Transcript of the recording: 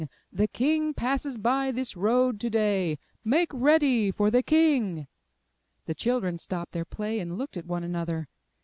the King passes by this road to day. Make ready for the King!*' The children stopped their play, and looked at one another.